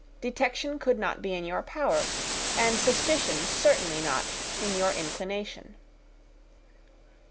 Detection could not be in your power, and suspicion certainly not in your inclination.